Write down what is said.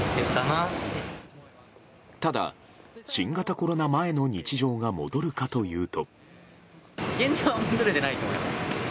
ただ新型コロナ前の日常が戻るかというと。